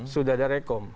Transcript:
sudah ada rekom